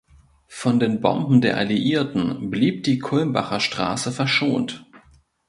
Von den Bomben der Alliierten blieb die Kulmbacher Straße verschont.